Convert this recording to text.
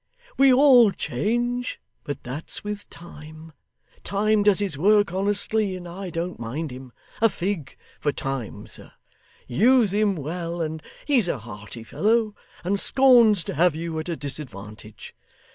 We all change, but that's with Time; Time does his work honestly, and I don't mind him. A fig for Time, sir. Use him well, and he's a hearty fellow, and scorns to have you at a disadvantage.